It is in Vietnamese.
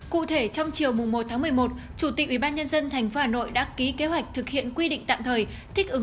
cụ thể trong chiều một một mươi một chủ tịch ubnd tp hà nội đã ký kế hoạch thực hiện quy định tạm thời thích ứng